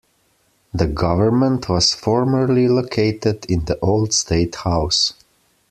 The government was formerly located in the Old State House.